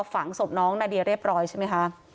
ฝังศพน้องนาเดียเรียบร้อยใช่ไหมคะ